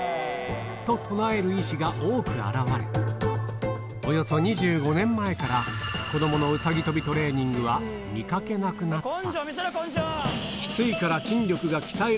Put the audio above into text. と唱える医師が多く現れ、およそ２５年前から、こどものうさぎ跳びトレーニングは見かけなくなった。